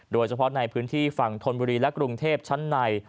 โดยเฉพาะในพื้นที่ฝั่งธนบุรีและกรุงเทพชั้นใน